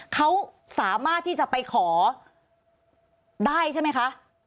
เขาสามารถที่จะไปขอได้ใช่ไหมคะ